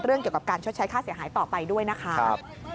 เกี่ยวกับการชดใช้ค่าเสียหายต่อไปด้วยนะคะ